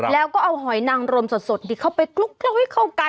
แล้วก็เอาหอยนางลมสดนิดเข้าไปครุกก็ไปทิ้งเข้ากัน